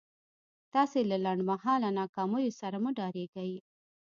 تاسې له لنډ مهاله ناکاميو سره مه ډارېږئ.